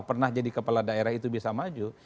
pernah jadi kepala daerah itu bisa maju